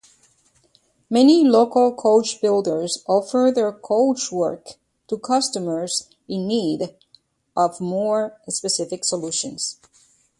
Many local coachbuilders offered their coachwork to customers in need of more specific solutions.